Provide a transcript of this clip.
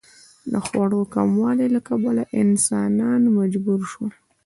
د خوړو کموالي له کبله انسانان مجبور شول.